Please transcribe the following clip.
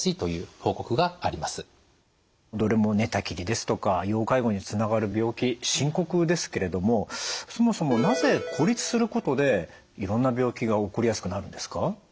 どれも寝たきりですとか要介護につながる病気深刻ですけれどもそもそもなぜ孤立することでいろんな病気が起こりやすくなるんですか？